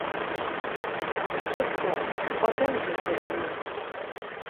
— Ketdi, otam ketdi!.. —deyman.